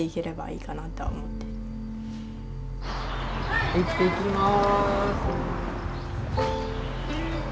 いってきます。